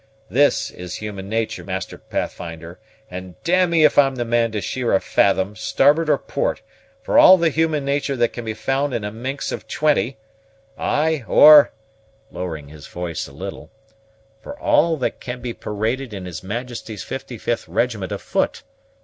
This is human natur', Master Pathfinder, and d me if I'm the man to sheer a fathom, starboard or port, for all the human natur' that can be found in a minx of twenty ay, or" (lowering his voice a little) "for all that can be paraded in his Majesty's 55th regiment of foot.